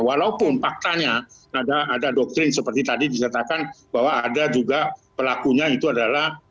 walaupun faktanya ada doktrin seperti tadi dikatakan bahwa ada juga pelakunya itu adalah